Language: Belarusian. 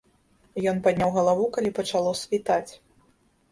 Ён падняў галаву, калі пачало світаць.